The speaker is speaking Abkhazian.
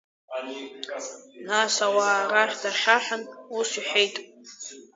Нас ауаа рахь даахьаҳәын, ус иҳәеит…